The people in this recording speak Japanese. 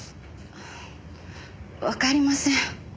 わかりません。